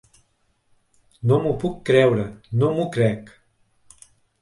No m’ho puc creure, no m’ho crec.